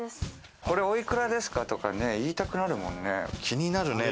これお幾らですか？とか言いたくなるもんね。